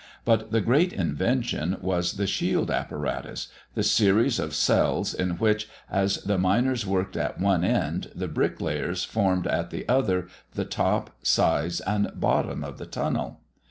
But the great invention was the shield apparatus the series of cells, in which, as the miners worked at one end, the bricklayers formed at the other the top, sides, and bottom of the tunnel.